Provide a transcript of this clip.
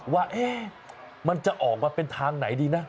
ว่ามันจะออกมาเป็นทางไหนดีนะ